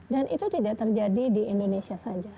dan itu tidak terjadi di indonesia saja